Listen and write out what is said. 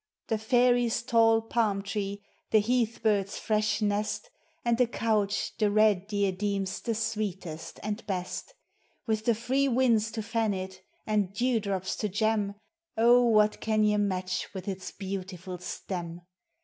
The fairies' tall palm tree, the heath bird's fresh nest, And the couch the red deer deems the sweetest and best; With the free winds to fan it, and dew drops to gem, Oh, what can ye match with its beautiful stem?